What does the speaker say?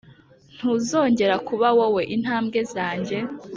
ntuzongera kuba wowe intambwe zanjye,